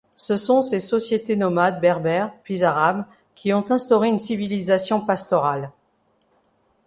Ce sont ces sociétés nomades berbères puis arabes qui ont instauré une civilisation pastorale.